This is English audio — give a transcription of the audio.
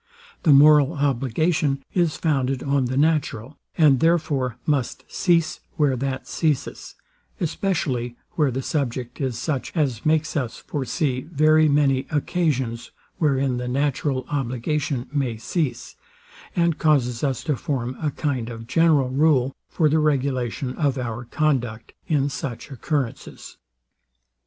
The moral obligation is founded on the natural, and therefore must cease where that ceases; especially where the subject is such as makes us foresee very many occasions wherein the natural obligation may cease, and causes us to form a kind of general rule for the regulation of our conduct in such occurrences.